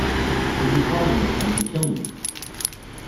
Are you plotting with them to kill me?